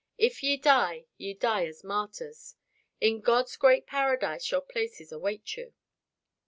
If ye die, ye die as martyrs. In God's great paradise your places await you."